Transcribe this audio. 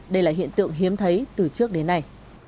đây là hiện tượng hiếm thấy từ trước đến nay